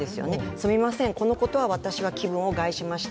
すいません、このことは私は気分を害しました